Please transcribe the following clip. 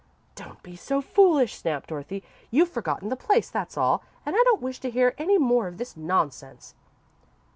"Don't be so foolish," snapped Dorothy. "You've forgotten the place, that's all, and I don't wish to hear any more of this nonsense."